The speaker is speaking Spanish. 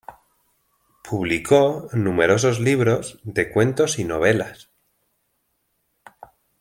Publicó numerosos libros de cuentos y novelas.